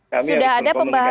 sudah ada pembahasan